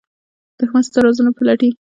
دښمن ستا رازونه پلټي